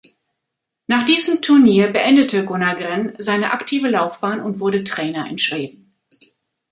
Nach diesem Turnier beendete Gunnar Gren seine aktive Laufbahn und wurde Trainer in Schweden.